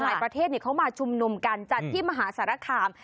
ประเทศเขามาชุมนุมกันจัดที่มหาสารคาม